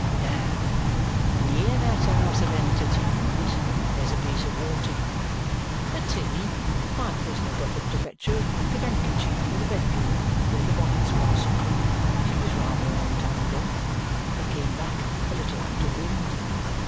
Now, near that house of entertainment there's a piece of water. At tea, my prisoner got up to fetch her pocket handkercher from the bedroom where the bonnets was; she was rather a long time gone and came back a little out of wind.